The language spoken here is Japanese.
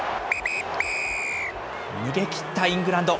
逃げきったイングランド。